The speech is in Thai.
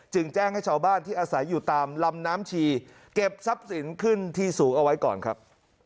แจ้งให้ชาวบ้านที่อาศัยอยู่ตามลำน้ำชีเก็บทรัพย์สินขึ้นที่สูงเอาไว้ก่อนครับ